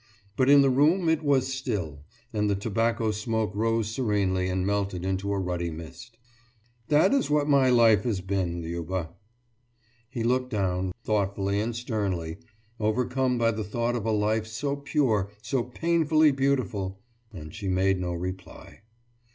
But in the room it was still, and the tobacco smoke rose serenely and melted into a ruddy mist. »That is what my life has been, Liuba!« He looked down, thoughtfully and sternly, overcome by the thought of a life so pure, so painfully beautiful. And she made no reply.